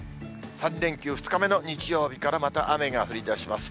３連休２日目の日曜日から、また雨が降りだします。